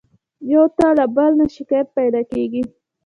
يو ته له بل نه شکايت پيدا کېږي.